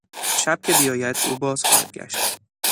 شب که بیاید او باز خواهد گشت.